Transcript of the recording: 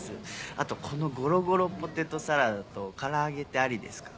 「あとこの『ごろごろポテトサラダ』と唐揚げってありですか？」